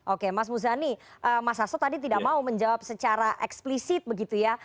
oke mas muzani mas hasto tadi tidak mau menjawab secara eksplisit begitu ya